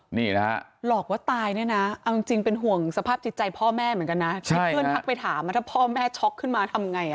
หลอกว่าตายเนี่ยนะเอาจริงเป็นห่วงสภาพจิตใจพ่อแม่เหมือนกันนะถ้าพ่อแม่ช็อคขึ้นมาทำไง